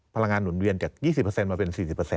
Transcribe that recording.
พลังงานหนุนเวียนจาก๒๐มาเป็น๔๐